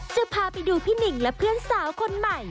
จะพาไปดูพี่หนิ่งและเพื่อนสาวคนใหม่